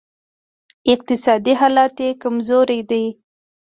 اقتصادي حالت یې کمزوری دی